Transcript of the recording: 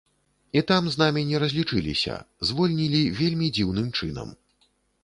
І там з намі не разлічыліся, звольнілі вельмі дзіўным чынам.